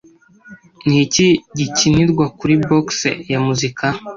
Ni iki gikinirwa kuri Boxe ya Muzika